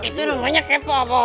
itu namanya kepo bo